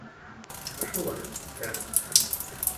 Прошу вас, сэр.